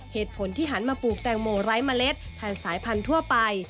เหตุผลที่หันมาปลูกแตงโมไร้เมล็ดแทนสายพันธุ์ทั่วไป